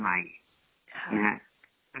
ใช่ไหมครับ